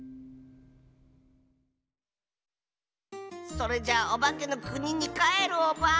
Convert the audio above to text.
それじゃおばけのくににかえるオバ。